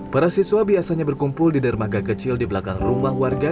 para siswa biasanya berkumpul di dermaga kecil di belakang rumah warga